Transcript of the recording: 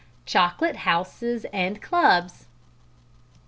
_Chocolate Houses and Clubs.